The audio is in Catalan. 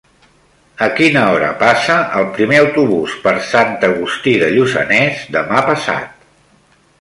A quina hora passa el primer autobús per Sant Agustí de Lluçanès demà passat?